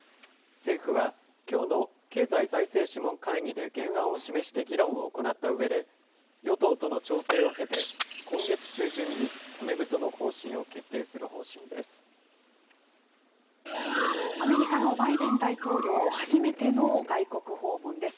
政府は、きょうの経済財政諮問会議で原案を示して議論を行ったうえで、与党との調整を経て、今月中旬に骨太の方針を決定する方針アメリカのバイデン大統領、初めての外国訪問です。